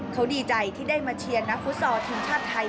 เขาดีใจที่ได้มาเชียร์นักฟุตซอลทีมชาติไทย